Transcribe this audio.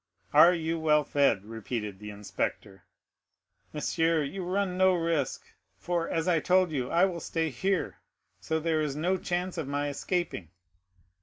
"Are you well fed?" repeated the inspector. "Monsieur, you run no risk, for, as I told you, I will stay here; so there is no chance of my escaping."